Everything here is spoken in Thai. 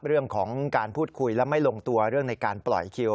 เรื่องของการพูดคุยและไม่ลงตัวเรื่องในการปล่อยคิว